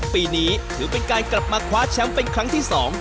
ปีนี้ถือเป็นการกลับมาคว้าแชมป์เป็นครั้งที่๒